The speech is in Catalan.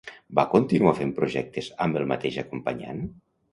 Va continuar fent projectes amb el mateix acompanyant?